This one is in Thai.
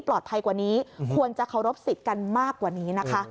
ปลอดภัยกว่านี้ควรจะเคารพสิทธิ์กันมากกว่านี้นะคะ